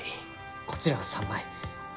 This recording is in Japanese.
こちらは３枚。